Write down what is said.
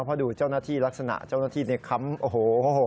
เพราะดูเจ้าหน้าที่ลักษณะเจ้าหน้าที่เนี่ยค้ำโอ้โห